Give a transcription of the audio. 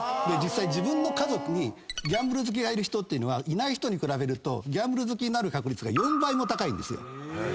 実際自分の家族にギャンブル好きがいる人っていうのはいない人に比べるとギャンブル好きになる確率が４倍も高いんですよ。